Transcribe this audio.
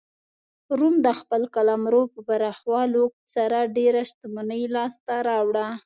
روم د خپل قلمرو په پراخولو سره ډېره شتمنۍ لاسته راوړه.